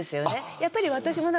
やっぱり私も。え！